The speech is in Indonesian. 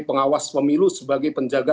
pengawas pemilu sebagai penjaga